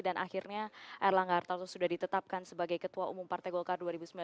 dan akhirnya erlang gartoso sudah ditetapkan sebagai ketua umum partai golkar dua ribu sembilan belas dua ribu dua puluh empat